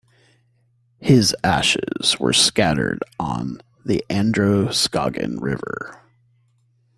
His ashes were scattered on the Androscoggin River.